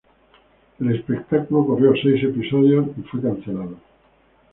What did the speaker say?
El espectáculo corrió seis episodios y fue cancelado.